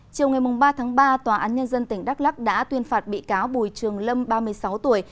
chiều ngày ba tháng ba tòa án nhân dân tỉnh đắk lắc đã tuyên phạt bị cáo bùi trường lâm ba mươi sáu tuổi